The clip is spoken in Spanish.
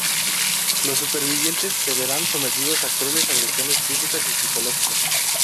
Los supervivientes se verán sometidos a crueles agresiones físicas y psicológicas.